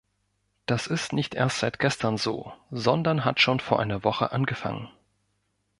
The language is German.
Das ist nicht erst seit gestern so, sondern hat schon vor einer Woche angefangen.